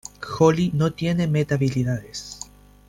Holly no tiene meta-habilidades.